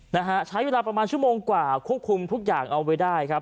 นะฮะใช้เวลาประมาณชั่วโมงกว่าควบคุมทุกอย่างเอาไว้ได้ครับ